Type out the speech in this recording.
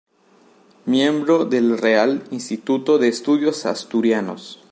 Miembro del Real Instituto de Estudios Asturianos.